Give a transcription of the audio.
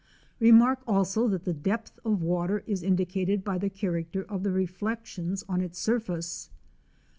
Remark also that the depth of water is indicated by the character of the reflections on its surface.